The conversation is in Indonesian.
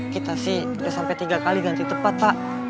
kita sih udah sampe tiga kali ganti tepat pak